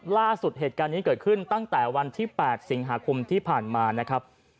ล่าสุดเหตุการณ์นี้เกิดขึ้นตั้งแต่วันที่๘สิงหาคมที่ผ่านมานะครับ